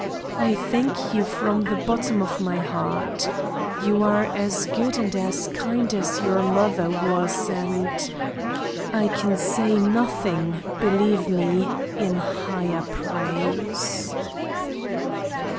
I thank you from the bottom of my heart. You are as good and as kind as your mother was, and I can say nothing, believe me, in higher praise."